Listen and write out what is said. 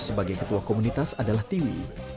sebagai ketua komunitas adalah tiwi